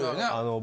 僕。